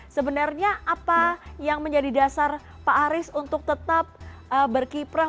sebenarnya apa yang menjadi dasar pak aris untuk tetap berkiprah